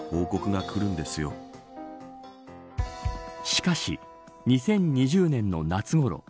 しかし、２０２０年の夏ごろ